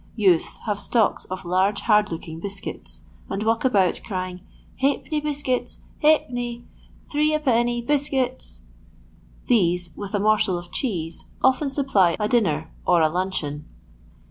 Youths have stocks of large hard looking biscuits, and walk aboutcrying, "Ha'penny biscuits, ha'penny ; three a penny, biscuits ;" these, with a morsel of cheese, often supply a dinner or a luncheon.